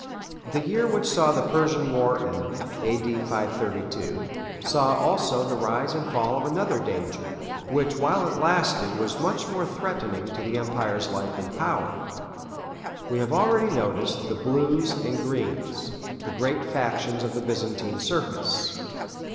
The year which saw the Persian War end [A.D. 532], saw also the rise and fall of another danger, which while it lasted was much more threatening to the Emperor's life and power. We have already noticed the "Blues" and "Greens," the great factions of the Byzantine Circus.